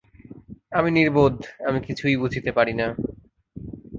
আমি নির্বোধ, আমি কিছুই বুঝিতে পারি না।